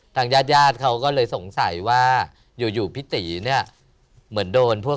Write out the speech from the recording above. ทางญาติเขาก็เลยสงสัยว่าอยู่พิติเนี่ยเหมือนโดนพวก